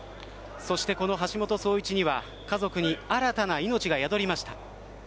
そして、橋本壮市には家族に新たな命が宿りました。